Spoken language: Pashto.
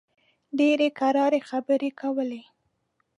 ډېرې کراري خبرې کولې.